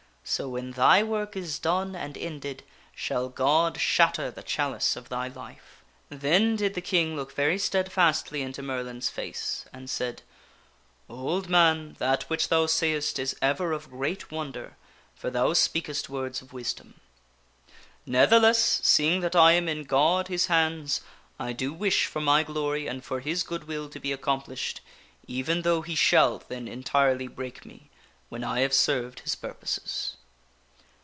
So when thy work is done and ended shall God shatter the chalice of thy life." Then did the King look very steadfastly into Merlin's face, and said, " Old man, that which thou sayest is ever of great wonder, for thou speakest words of wisdom. Ne'theless, seeing that I am in God His hands, I do wish for my glory and for His good will to be accomplished even though He shall then entirely break me when I have served His purposes."